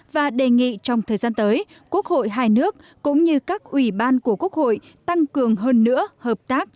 và đề nghị trong thời gian tới quốc hội hai nước cũng như các ủy ban của quốc hội tăng cường hơn nữa hợp tác